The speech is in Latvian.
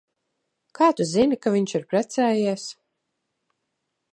Kā tu zini, ka viņš ir precējies?